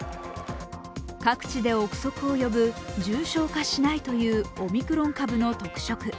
各地で憶測を呼ぶ重症化しないというオミクロン株の特色。